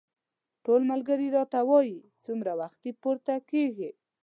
ټول ملګري راته وايي څومره وختي پورته کېږې.